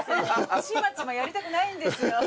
チマチマやりたくないんですよ。